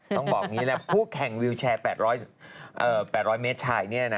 ต้องบอกอย่างนี้แหละผู้แข่งวิวแชร์๘๐๐เมตรชาย